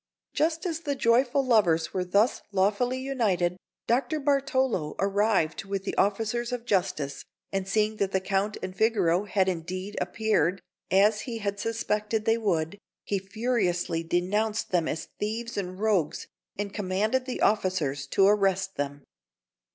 Just as the joyful lovers were thus lawfully united, Dr. Bartolo arrived with the officers of justice; and seeing that the Count and Figaro had indeed appeared, as he had suspected they would, he furiously denounced them as thieves and rogues, and commanded the officers to arrest them.